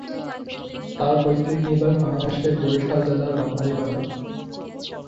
তার পৈতৃক নিবাস বাংলাদেশের বরিশাল জেলার বানারীপাড়ায়।